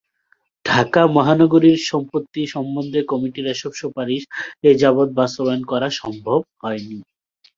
ঢাকা মহানগরীর সম্পত্তি সম্বন্ধে কমিটির এসব সুপারিশ এ যাবত বাস্তবায়ন করা সম্ভব হয় নি।